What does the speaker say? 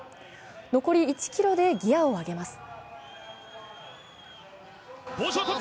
残り１ｋｍでギヤを上げます。